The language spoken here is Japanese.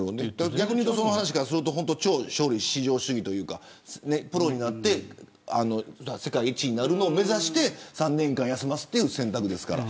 逆に、その話からすると超勝利至上主義というかプロになって世界一になるのを目指して３年間休ませるという選択ですから。